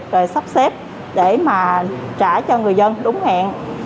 rồi sắp xếp để mà trả cho người dân đúng hẹn